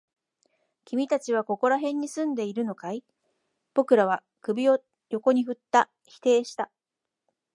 君たちはここら辺に住んでいるのかい？僕らは首を横に振った。否定した。